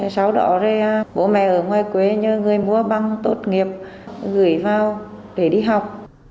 sau đó bố mẹ ở ngoài quê như người mua bằng tốt nghiệp gửi vào để đi học